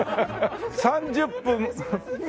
３０分。